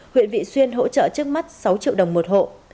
huyện vị xuyên hỗ trợ trước mắt sáu triệu đồng một hộ